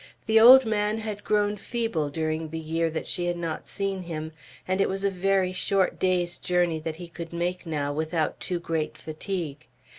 The old man had grown feeble during the year that she had not seen him, and it was a very short day's journey that he could make now without too great fatigue.